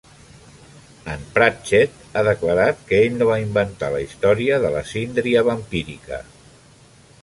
En Pratchett ha declarat que ell no va inventar la història de la síndria vampírica.